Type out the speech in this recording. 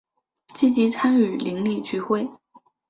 积极参与邻里聚会